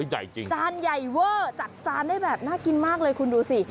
ใหญ่จริงจานใหญ่เวอร์จัดจานได้แบบน่ากินมากเลยคุณดูสิ